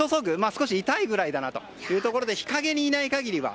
少し痛いぐらいだなというところで日陰にいない限りは。